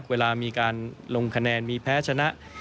เวลามีการลงคะแนนมีแพ้ชนะ